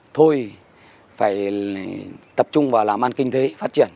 thôi phải tập trung vào làm ăn kinh tế phát triển